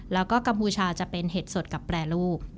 แล้วก็กัมพูชาจะเป็นเห็ดสดกับแปรรูป